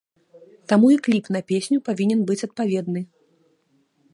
Таму і кліп на песню павінен быць адпаведны.